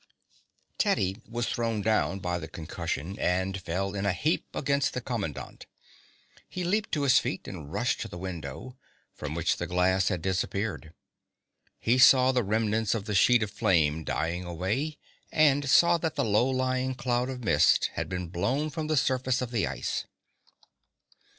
Teddy was thrown down by the concussion, and fell in a heap against the commandant. He leaped to his feet and rushed to the window, from which the glass had disappeared. He saw the remnants of the sheet of flame dying away and saw that the low lying cloud of mist had been blown from the surface of the ice.